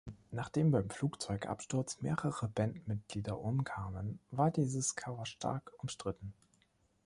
Nachdem beim Flugzeugabsturz mehrere Bandmitglieder umkamen, war dieses Cover stark umstritten.